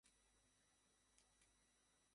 আরে, সত্যি স্যার!